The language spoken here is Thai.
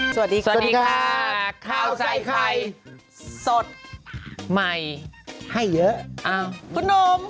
สวัสดีค่ะสวัสดีค่ะข้าวใส่ไข่สดใหม่ให้เยอะอ้าวคุณหนุ่ม